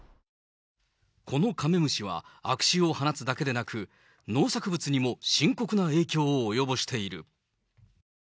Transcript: このカメムシは悪臭を放つだけでなく、農作物にも深刻な影響を及ぼしている。